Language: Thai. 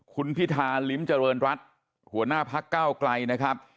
คุณพิธาลิ้มเจริญรัฐหัวหน้าพักเก้าไกลนะครับ